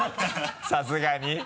さすがに。